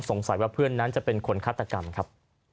สงสัยว่าเพื่อนนั้นจะเป็นคนฆาตกรรมครับ